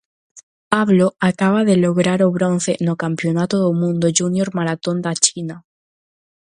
Pablo acaba de lograr o bronce no Campionato do Mundo Júnior Maratón da China.